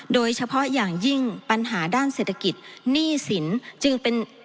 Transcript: โดยเฉพาะอย่างยิ่งปัญหาด้านเศรษฐกิจหนี้สินจึงเป็น